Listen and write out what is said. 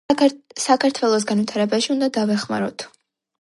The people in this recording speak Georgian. საქართველოს განვითარებაში უნდა დავეხმაროთ